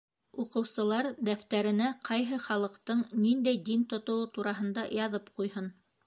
Уҡыусылар дәфтәренә ҡайһы халыҡтың ниндәй дин тотоуы тураһында яҙып ҡуйһын.